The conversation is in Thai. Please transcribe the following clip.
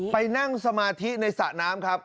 ไปนั่งสมาธิในสระน้ำครับ